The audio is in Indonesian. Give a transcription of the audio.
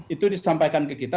itu disampaikan ke kita